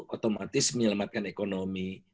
otomatis menyelamatkan ekonomi